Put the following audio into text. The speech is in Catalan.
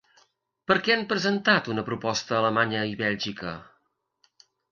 Per què han presentat una proposta Alemanya i Bèlgica?